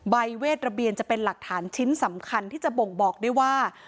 เวทระเบียนจะเป็นหลักฐานชิ้นสำคัญที่จะบ่งบอกได้ว่า